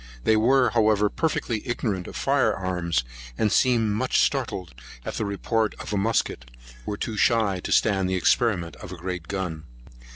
They were, however, perfectly ignorant of fire arms, and seemed much startled at the report of a musket, were too shy to stand the experiment of a great gun.